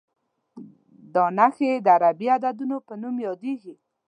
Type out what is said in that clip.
دا نښې د عربي عددونو په نوم یادېږي.